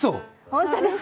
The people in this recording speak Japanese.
本当です。